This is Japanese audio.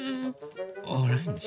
オレンジ。